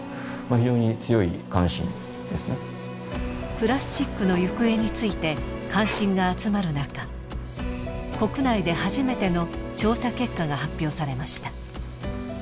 プラスチックの行方について関心が集まるなか国内で初めての調査結果が発表されました。